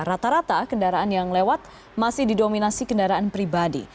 rata rata kendaraan yang lewat masih didominasi kendaraan pribadi